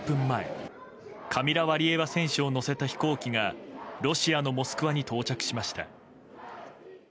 前カミラ・ワリエワ選手を乗せた飛行機がロシアのモスクワに到着しました。